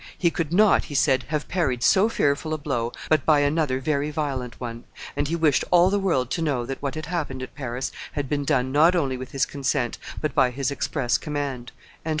"He could not," he said, "have parried so fearful a blow but by another very violent one; and he wished all the world to know that what had happened at Paris had been done not only with his consent, but by his express command."